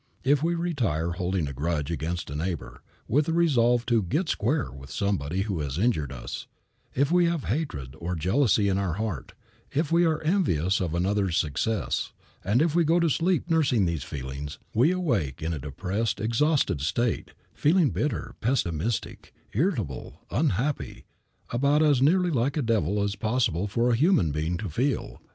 If we retire holding a grudge against a neighbor, with a resolve to "get square" with somebody who has injured us; if we have hatred or jealousy in our heart; if we are envious of another's success, and if we go to sleep nursing these feelings, we awake in a depressed, exhausted state, feeling bitter, pessimistic, irritable, unhappy, about as nearly like a devil as it is possible for a human being to feel.